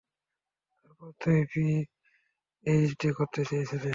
তারপর তুই পিএইচডি করতে চেয়েছিলি।